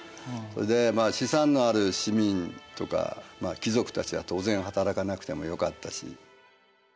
それで資産のある市民とか貴族たちは当然働かなくてもよかったし。